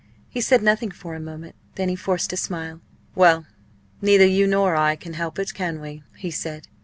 He said nothing for a moment; then he forced a smile. "Well! neither you nor I can help it, can we?" he said.